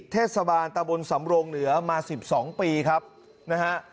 เทศบาลตะบนสำรงเหนือมา๑๒ปีครับนะฮะ